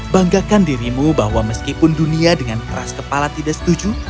banggakan dirimu bahwa meskipun dunia dengan keras kepala tidak setuju